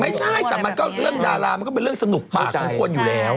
ไม่ใช่แต่มันก็เรื่องดารามันก็เป็นเรื่องสนุกปากของคนอยู่แล้ว